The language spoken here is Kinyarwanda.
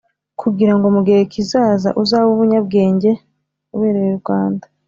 kugirango mu gihe kizaza uzabe umunyabwenge ubereye u Rwanda